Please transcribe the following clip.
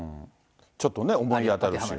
ちょっと思い当たる節。